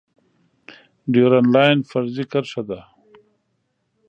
ډیورنډ لاین فرضي کرښه ده